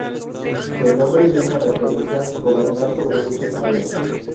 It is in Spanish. El nombre viene a referencia "gobernar sobre muchas áreas".